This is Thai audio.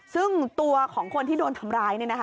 ซึ่งตัวของคนที่โดนทำร้าย